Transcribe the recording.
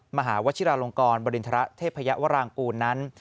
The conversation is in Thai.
มหาวชิราลงกรบริณฑระเทพยวรางกูลนั้น